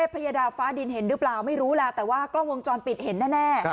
พญาดาฟ้าดินเห็นหรือเปล่าไม่รู้แหละแต่ว่ากล้องวงจรปิดเห็นแน่